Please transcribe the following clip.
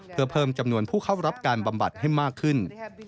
เพื่อเพิ่มจำนวนผู้เข้ารับการบำบัดให้มากขึ้น